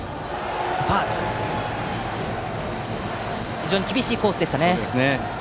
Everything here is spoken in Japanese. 非常に厳しいコースでした。